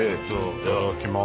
いただきます。